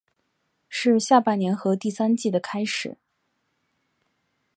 是下半年和第三季的开始。